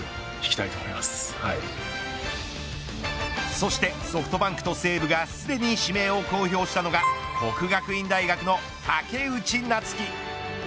そしてソフトバンクと西武がすでに氏名を公表したのが國學院大學の武内夏暉。